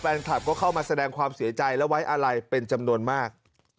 แฟนคลับก็เข้ามาแสดงความเสียใจและไว้อะไรเป็นจำนวนมาก